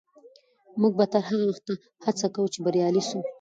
موږ به تر هغه وخته هڅه کوو چې بریالي سو.